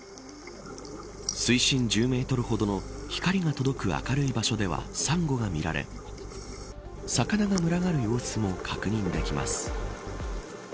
水深１０メートルほどの光が届く明るい場所ではサンゴが見られ魚が群がる様子も確認できます。